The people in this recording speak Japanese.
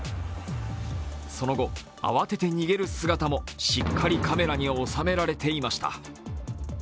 その後、慌てて逃げる姿も、しっかりカメラに収められていました。